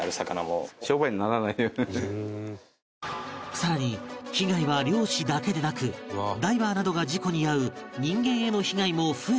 更に被害は漁師だけでなくダイバーなどが事故に遭う人間への被害も増えているという